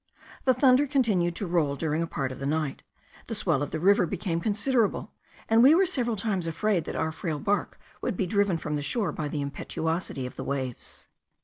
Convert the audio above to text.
The thunder continued to roll during a part of the night; the swell of the river became considerable; and we were several times afraid that our frail bark would be driven from the shore by the impetuosity of the waves.